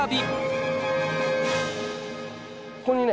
ここにね